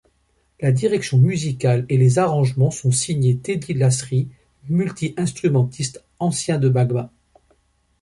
La direction musicale et les arrangements sont signés Teddy Lasry, multi-instrumentiste, ancien de Magma.